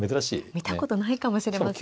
見たことないかもしれませんね。